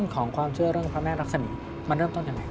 ของความเชื่อเรื่องพระแม่รักษมีมันเริ่มต้นยังไง